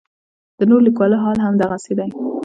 د نورو لیکوالو حال هم دغسې دی.